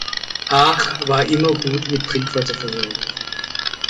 Aach war immer gut mit Trinkwasser versorgt.